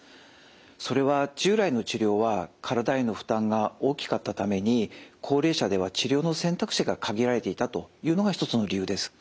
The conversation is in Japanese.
それは従来の治療は体への負担が大きかったために高齢者では治療の選択肢が限られていたというのが一つの理由です。